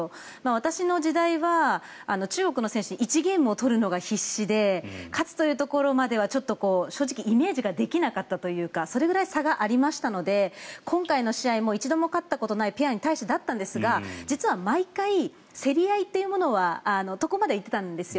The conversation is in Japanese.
私の時代は中国の選手から１ゲームを取るのが必死で勝つというところまでは正直イメージができなかったというかそれぐらい差がありましたので今回の試合も一度も勝ったことのないペアに対してだったんですが実は毎回競り合いというところまでは行ってたんですよ。